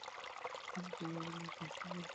কিন্তু ঐ মত সত্য নহে।